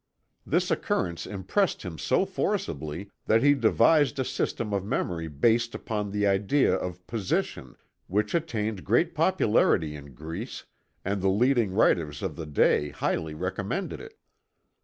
This occurrence impressed him so forcibly that he devised a system of memory based upon the idea of position, which attained great popularity in Greece, and the leading writers of the day highly recommended it.